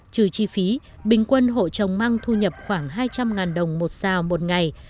trừ chi phí bình quân hộ trồng măng thu nhập khoảng hai trăm linh đồng một xào một ngày